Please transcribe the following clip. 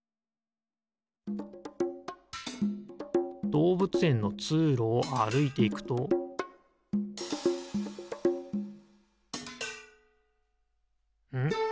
どうぶつえんのつうろをあるいていくとん？